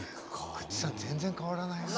グッチさん全然変わらないな。